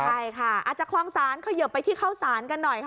ใช่ค่ะอาจจะคลองศาลเขยิบไปที่เข้าสารกันหน่อยค่ะ